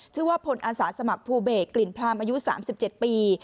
ชื่อว่าพลอาสาสมัครภูเบกกลิ่นพรามอายุ๓๗ปี